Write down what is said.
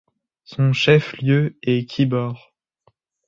Son chef-lieu est Quíbor.